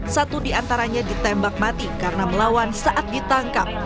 satu di antaranya ditembak mati karena melawan saat ditangkap